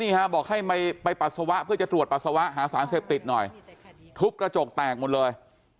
บอกให้ไปปัสสาวะเพื่อจะตรวจปัสสาวะหาสารเสพติดหน่อยทุบกระจกแตกหมดเลย